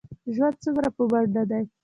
ژوند څومره په منډه دی.